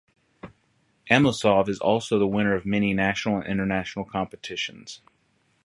Amosov is also the winner of many national and international competitions.